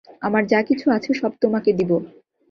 আমার যা কিছু আছে সব তোমাকে দিব।